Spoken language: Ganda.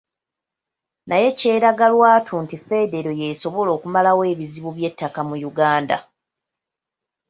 Naye kyeraga lwatu nti federo y'esobola okumalawo ebizibu by'ettaka mu Uganda.